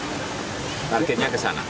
targetnya ke sana